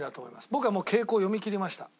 僕はもう傾向を読みきりました。